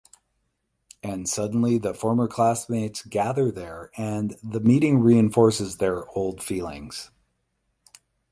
And suddenly the former classmates gather there and the meeting reinforces their old feelings.